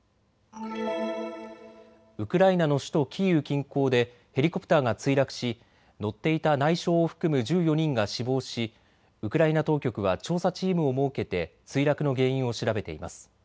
ウクライナの首都キーウ近郊でヘリコプターが墜落し乗っていた内相を含む１４人が死亡しウクライナ当局は調査チームを設けて墜落の原因を調べています。